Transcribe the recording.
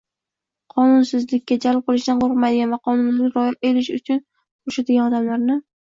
qonunsizlikka jalb qilishdan qo‘rqmaydigan va qonunlarga rioya qilish uchun kurashadigan odamlarni;